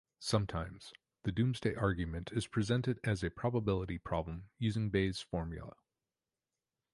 Sometimes, the Doomsday Argument is presented as a probability problem using Bayes' formula.